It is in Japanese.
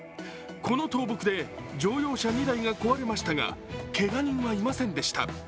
この倒木で乗用車２台が壊れましたが、けが人はいませんでした。